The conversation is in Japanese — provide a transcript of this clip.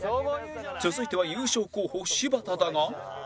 続いては優勝候補柴田だが